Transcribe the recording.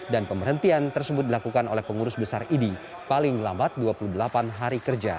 dan pemberhentian tersebut dilakukan oleh pengurus besar idi paling lambat dua puluh delapan hari kerja